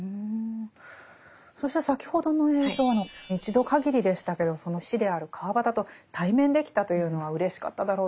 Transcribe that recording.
そして先ほどの映像の一度限りでしたけどその師である川端と対面できたというのはうれしかっただろうと。